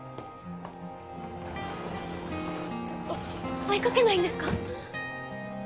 ちょお追いかけないんですか？